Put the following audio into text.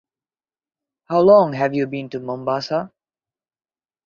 How long have you been to Mombasa?